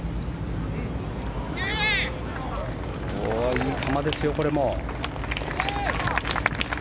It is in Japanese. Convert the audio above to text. いい球ですよ、これも。